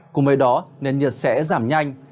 cùng với đó nền nhiệt sẽ giảm nhanh